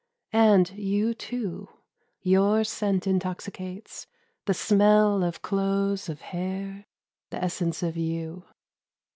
And you too — Your scent intoxicates ; the smell Of clothes, of hair, the essence of you.